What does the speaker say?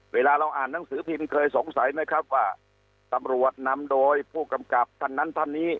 เวลาเราอ่านหนังสือพิมพ์เคยสงสัยไหมครับว่าตำรวจนำโดยผู้กำกับท่านนั้นท่านนี้